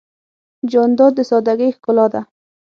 جانداد د سادګۍ ښکلا ده.